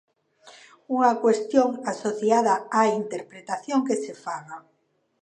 Unha cuestión asociada á interpretación que se faga.